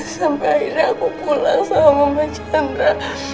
sampai akhirnya aku pulang sama mama cita